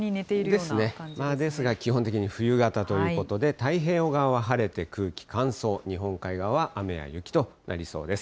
ですが、基本的に冬型ということで、太平洋側は晴れて、空気乾燥、日本海側は雨や雪となりそうです。